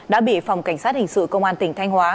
đã bị phòng cảnh sát hình sự công an tỉnh thanh hóa